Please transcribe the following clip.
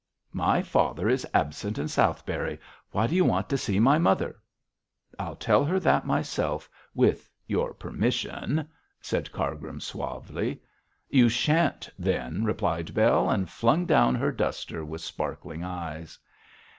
'My father is absent in Southberry. Why do you want to see my mother?' 'I'll tell her that myself with your permission,' said Cargrim, suavely. 'You sha'n't, then,' cried Bell, and flung down her duster with sparkling eyes.